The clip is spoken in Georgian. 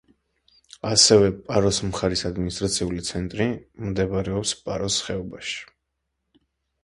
ასევე პაროს მხარის ადმინისტრაციული ცენტრი, მდებარეობს პაროს ხეობაში.